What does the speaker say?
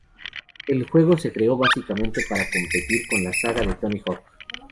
El juego se creó básicamente para competir con la saga de "Tony Hawk".